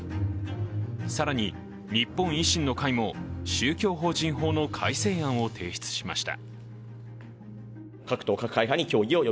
更に、日本維新の会も宗教法人法の改正案を提出しました。